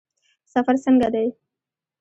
سفر څنګه دی؟